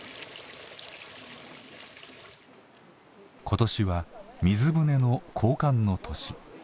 今年は水舟の交換の年。